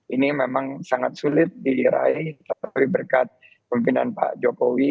ini memang sangat sulit diraih tapi berkat pemimpinan pak jokowi